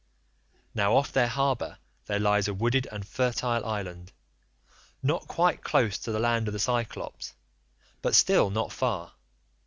"Now off their harbour there lies a wooded and fertile island not quite close to the land of the Cyclopes, but still not far.